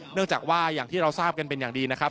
เนื่องจากว่าอย่างที่เราทราบกันเป็นอย่างดีนะครับ